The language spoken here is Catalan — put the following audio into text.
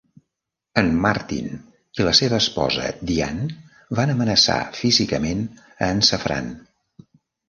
En Martin i la seva esposa Dianne van amenaçar físicament a en Safran.